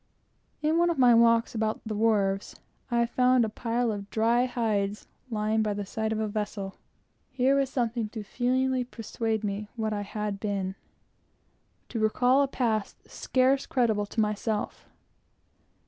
In one of my walks about the wharves, I found a pile of dry hides lying by the side of a vessel. Here was something to feelingly persuade me what I had been, to recall a past scarce credible to myself.